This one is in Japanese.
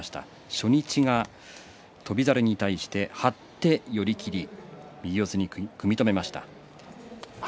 初日は翔猿に対して勝って寄り切り右四つに組み止めました。